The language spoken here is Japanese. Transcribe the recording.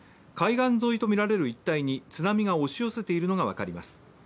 海岸沿いとみられる一帯に津波が押し寄せているのが分かります。